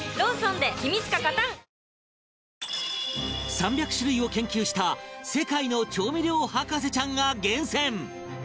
３００種類を研究した世界の調味料博士ちゃんが厳選